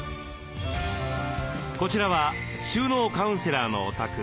こちらは収納カウンセラーのお宅。